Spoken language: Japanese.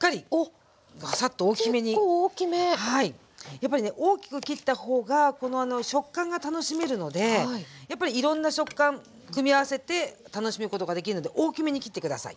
やっぱりね大きく切った方がこの食感が楽しめるのでやっぱりいろんな食感組み合わせて楽しむことができるので大きめに切って下さい。